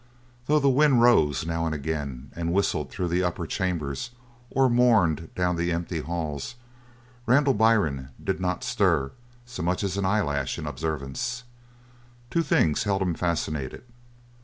Though the wind rose, now and again, and whistled through the upper chambers or mourned down the empty halls, Randall Byrne did not stir so much as an eyelash in observance. Two things held him fascinated.